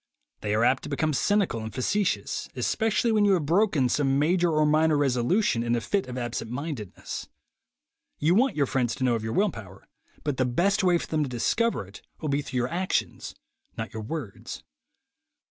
They are apt to become cynical and face tious, especially when you have broken some major or minor resolution in a fit of absent mindedness. You want your friends to know of your will power, but the best way for them to discover it will be through your actions, not your words.